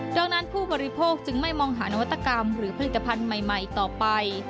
ดังนั้นผู้บริโภคจึงไม่มองหานวัตกรรมหรือผลิตภัณฑ์ใหม่ต่อไป